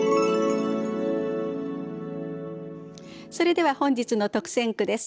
それでは本日の特選句です。